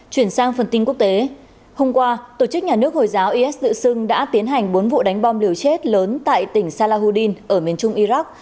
chuyển sang phần tin quốc tế hôm qua tổ chức nhà nước hồi giáo is tự xưng đã tiến hành bốn vụ đánh bom liều chết lớn tại tỉnh salahudin ở miền trung iraq